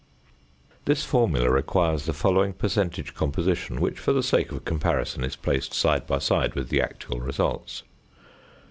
This formula requires the following percentage composition, which for the sake of comparison is placed side by side with the actual results.